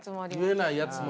言えないやつも。